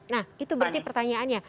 nah itu berarti pertanyaannya